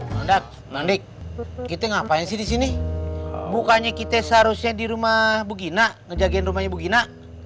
mandak mandek kita ngapain sih di sini bukannya kita seharusnya di rumah bu gina ngejagain rumahnya bu gina